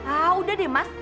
ah udah deh mas